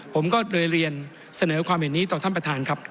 ผมก็เลยเรียนเสนอความเห็นนี้ต่อท่านประธานครับ